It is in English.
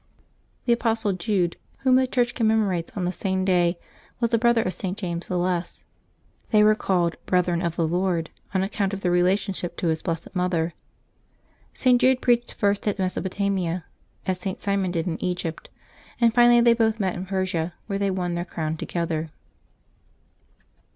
The apostle Jude, whom the Church commemorates on the same day, was a brother of St. James the Less. They were called " brethren of the Lord," on account of their relationship to His Blessed Mother. St. Jude preached first in Mesopotamia, as St. Simon did in Egypt; and finally they both met in Persia, where they won their crown together.